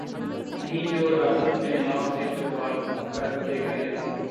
نہیں‘ جو وراثت میں ملا اسے بربادکرتے گئے۔